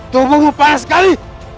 tubuhmu panas sekali